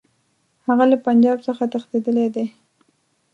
هغه له پنجاب څخه تښتېدلی دی.